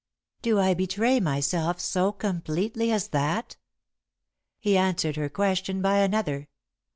Do I betray myself so completely as that?" He answered her question by another.